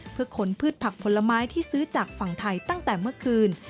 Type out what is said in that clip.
เพื่อขนพืชผักผลไม้ที่ซื้อจากฝั่งไทยตั้งแต่เมื่อคืน